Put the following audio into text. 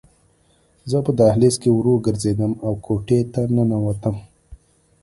زه په دهلیز کې ورو ګرځېدم او کوټې ته ننوتم